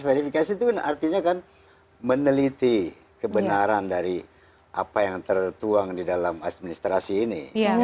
verifikasi itu kan artinya kan meneliti kebenaran dari apa yang tertuang di dalam administrasi ini